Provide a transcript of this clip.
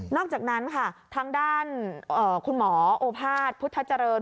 นอกจากนั้นค่ะซึ่งทั้งด้านคุณหมอโอพาสพุทธจรรย์